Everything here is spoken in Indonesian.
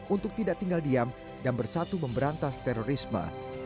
untuk tidak tinggal diam dan bersatu memberantas terorisme